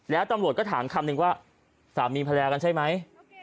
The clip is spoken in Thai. แล้วตำรวจก็ถามคำนึงว่าสามีภรรยากันใช่ไหม